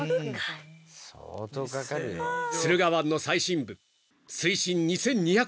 ［駿河湾の最深部水深２，２００ｍ。